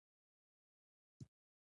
او زياتره وخت د نارينه د زاويې